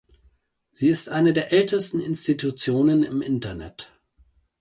Sie ist eine der ältesten Institutionen im Internet.